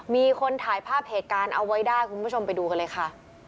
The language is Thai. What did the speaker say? มีคนถ่ายภาพเหตุการณ์เอาไว้ได้คุณผู้ชมไปดูกันเลยค่ะ